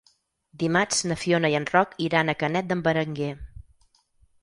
Dimarts na Fiona i en Roc iran a Canet d'en Berenguer.